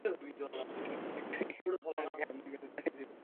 সব চেক করে, কালকে আপনার কাছে পাঠিয়ে দিব।